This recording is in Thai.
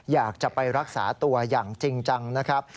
อยากจะไปรักษาตัวอย่างจริงจังนะครับ